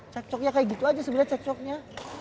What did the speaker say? cekcoknya kayak gitu aja sebenernya cekcoknya